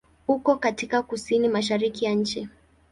Uko katika kusini-mashariki ya nchi.